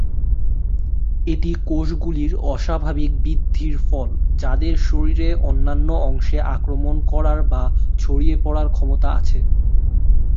এটি কোষ গুলির অস্বাভাবিক বৃদ্ধির ফল যাদের শরীরের অন্যান্য অংশে আক্রমণ করার বা ছড়িয়ে পড়ার ক্ষমতা আছে।